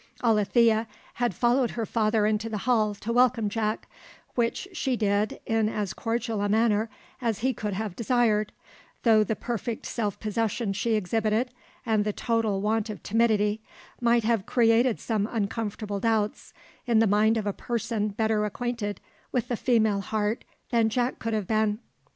Alethea had followed her father into the hall to welcome Jack, which she did in as cordial a manner as he could have desired, though the perfect self possession she exhibited, and the total want of timidity, might have created some uncomfortable doubts in the mind of a person better acquainted with the female heart than Jack could have been.